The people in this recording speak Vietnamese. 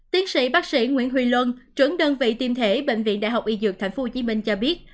tiến sĩ bác sĩ nguyễn huy luân trưởng đơn vị tiêm thể bệnh viện đại học y dược tp hcm cho biết